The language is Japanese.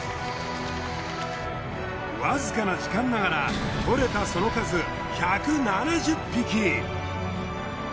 わずかな時間ながら捕れたその数１７０匹。